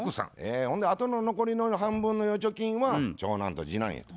ほんであとの残りの半分の預貯金は長男と次男へと。